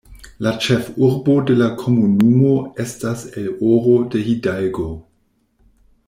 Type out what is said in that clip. La ĉefurbo de la komunumo estas El Oro de Hidalgo.